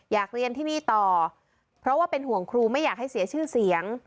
อยากเรียนที่นี่ต่อเพราะว่าเป็นห่วงครูไม่อยากให้เสียชื่อเสียง